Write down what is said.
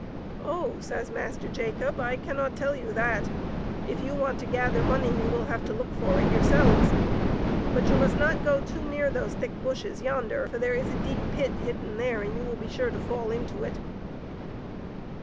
" Oh," says Master Jacob, " I cannot tell you that ; if you want to gather money you will have to look for it yourselves. But you must not go too near to those thick bushes yonder, for there is a deep pit hidden there, and you will be sure to fall into it."